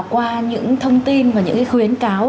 qua những thông tin và những khuyến cáo